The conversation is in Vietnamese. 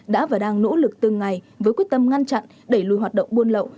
đã và đang nỗ lực từng ngày với quyết tâm ngăn chặn đẩy lùi hoạt động buôn lậu